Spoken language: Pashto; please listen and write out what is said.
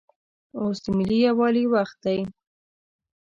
اوس دملي یووالي وخت دی